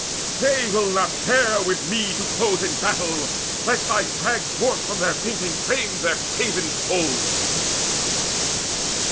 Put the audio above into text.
they will not dare With me to close in battle, lest I drag Forth from their fainting frames their craven souls!"